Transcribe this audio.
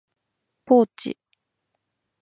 ポーチ、